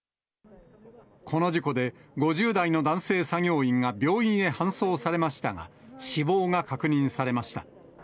この事故で５０代の男性作業員が病院へ搬送されましたが、死亡が確認されました。